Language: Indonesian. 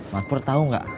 mas pur tahu nggak